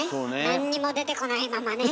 なんにも出てこないままね。